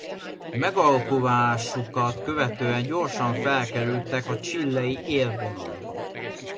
Megalakulásukat követően gyorsan felkerültek a chilei élvonalba.